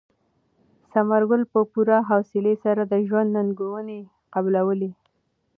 ثمر ګل په پوره حوصلې سره د ژوند ننګونې قبلولې.